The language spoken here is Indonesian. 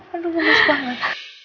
aduh mulus banget